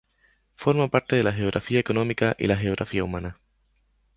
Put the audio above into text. Forma parte de la geografía económica y la geografía humana.